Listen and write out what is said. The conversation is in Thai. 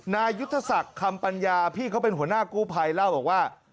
นายุทธศักดิ์คำปัญญาพี่เขาเป็นหัวหน้ากู้ภัยเล่าบอกว่า